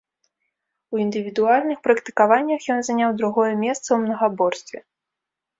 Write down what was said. У індывідуальных практыкаваннях ён заняў другое месца ў мнагаборстве.